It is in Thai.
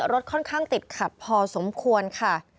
รถค่อนข้างติดขัดพอสมควรค่ะ